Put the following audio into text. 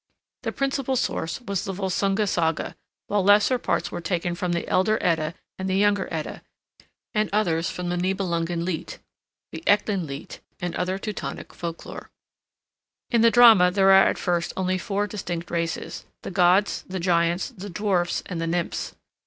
The principal source was the Volsunga Saga, while lesser parts were taken from the Elder Edda and the Younger Edda, and others from the Nibelungen Lied, the Ecklenlied, and other Teutonic folklore. In the drama there are at first only four distinct races, the gods, the giants, the dwarfs, and the nymphs.